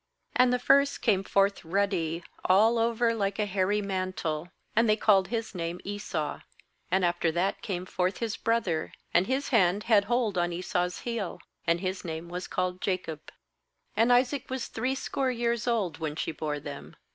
^And the first came forth ruddy, all over like a hairy mantle; and they called his name Esau. ^And after that came forth his brother, and his hand had hold on Esau's heel; and his name was called 8Jacob. And Isaac was threescore years old when she bore them.